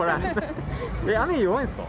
雨に弱いんですか？